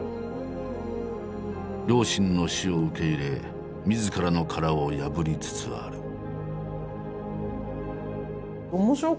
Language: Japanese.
両親の死を受け入れみずからの殻を破りつつある。